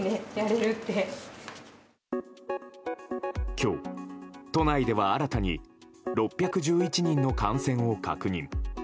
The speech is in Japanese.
今日、都内では新たに６１１人の感染を確認。